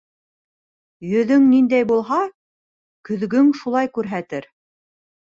Йөҙөң ниндәй булһа, көҙгөң шулай күрһәтер.